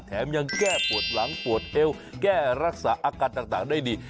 ยังแก้ปวดหลังปวดเอวแก้รักษาอาการต่างได้ดี